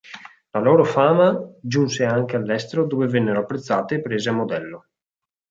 La loro fama giunse anche all'estero dove vennero apprezzate e prese a modello.